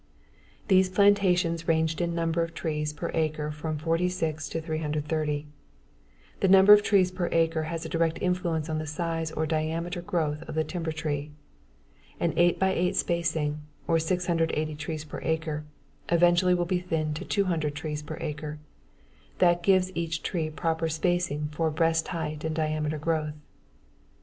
These plantations ranged in number of trees per acre from 46 to 330. The number of trees per acre has a direct influence on the size or diameter growth of the timber tree. An eight by eight spacing, or 680 trees per acre, eventually will be thinned to 200 trees per acre. That gives each tree proper spacing for best height and diameter growth.